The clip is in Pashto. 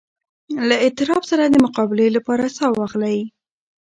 له اضطراب سره د مقابلې لپاره ساه واخلئ.